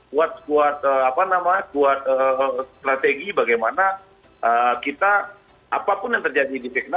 kuat strategi bagaimana kita apapun yang terjadi di pek enam